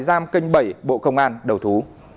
giam kênh bảy bộ công an đầu thú